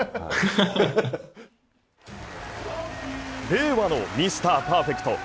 令和のミスターパーフェクト。